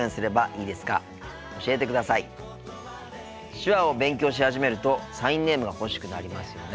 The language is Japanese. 手話を勉強し始めるとサインネームが欲しくなりますよね。